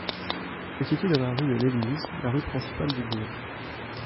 Elle se situe dans la rue de l'Église, la rue principale du bourg.